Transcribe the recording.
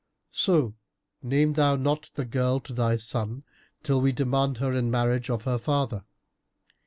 So name thou not the girl to thy son, till we demand her in marriage of her father.